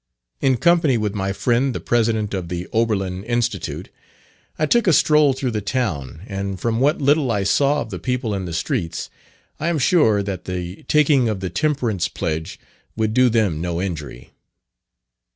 In company with my friend the President of the Oberlin Institute, I took a stroll through the town; and from what little I saw of the people in the streets, I am sure that the taking of the Temperance pledge would do them no injury.